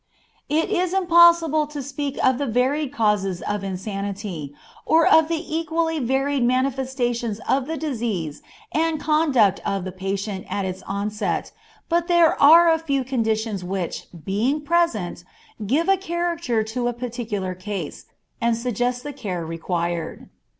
It is impossible to speak of the varied causes of insanity, or of the equally varied manifestations of the disease and conduct of the patient at its onset, but there are a few conditions which, being present, give a character to a particular case, and suggest the care required.